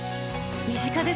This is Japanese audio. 身近ですね。